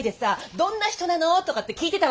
「どんな人なの？」とかって聞いてたわけ。ね？